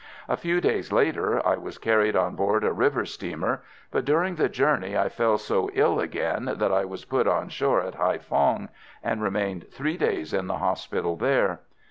A few days later I was carried on board a river steamer, but during the journey I fell so ill again that I was put on shore at Haïphong, and remained three days in the hospital there.